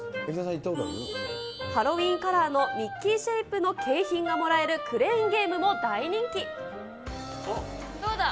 ハロウィーンカラーのミッキーシェイプの景品がもらえるクレーンどうだ？